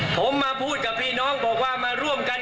ผมมาพูดกับพี่น้องบอกว่ามาร่วมกัน